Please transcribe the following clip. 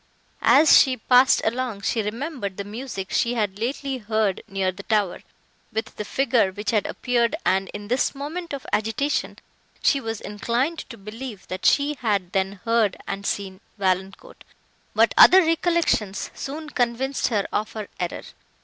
As she passed along, she remembered the music she had lately heard near the tower, with the figure, which had appeared, and, in this moment of agitation, she was inclined to believe, that she had then heard and seen Valancourt; but other recollections soon convinced her of her error.